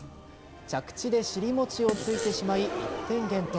着地で尻もちをついてしまい１点減点。